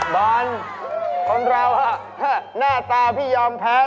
บอลของเราน่าตาพี่ยอมแพ้